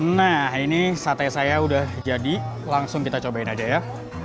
nah ini sate saya udah jadi langsung kita cobain aja ya